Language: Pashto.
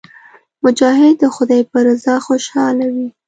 مجاهد د خدای په رضا خوشاله وي.